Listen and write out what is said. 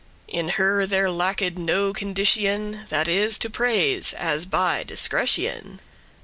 In her there lacked no condition, That is to praise, as by discretion.